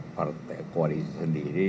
partai koalisi sendiri